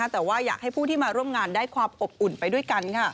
แต่ว่าอยากให้ผู้ที่มาร่วมงานได้ความอบอุ่นไปด้วยกัน